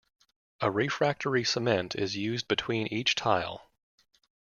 A refractory cement is used between each tile.